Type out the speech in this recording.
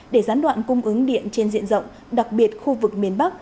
để gián đoạn cung ứng điện trên diện rộng đặc biệt khu vực miền bắc